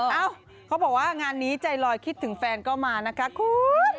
เอ้าเขาบอกว่างานนี้ใจลอยคิดถึงแฟนก็มานะคะคุณ